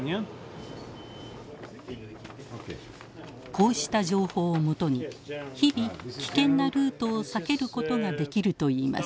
こうした情報をもとに日々危険なルートを避けることができるといいます。